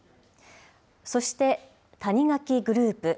そして谷垣グループ。